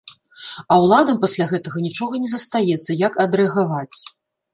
А ўладам пасля гэтага нічога не застаецца, як адрэагаваць.